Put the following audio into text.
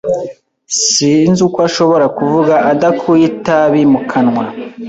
Sinzi uko ashobora kuvuga adakuye itabi mu kanwa.